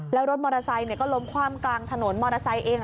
แล้วรถมอเตอร์ไซค์ก็ล้มคว่ำกลางถนนมอเตอร์ไซค์เอง